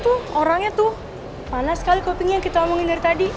tuh orangnya tuh panas sekali kopinya yang kita omongin dari tadi